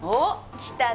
来たね